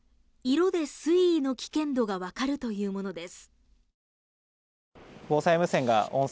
色で水位の危険度が分かるというものです。